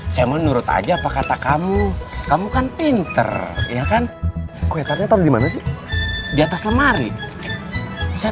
saya menurut aja apa kata kamu kamu kan pinter ya kan kue taruh di mana sih diatas lemari saya